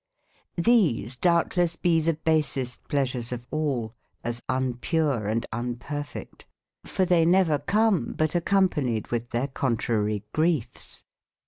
T^bese doubtles be tbe basest pleasures ofal, as unpure and unperfect* for tbey never come, but ac companied witb tbeir contrarie grief es.